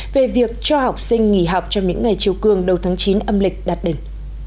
về việc cho học sinh nghỉ học trong những ngày chiều cương đầu tháng chín âm lịch đạt đỉnh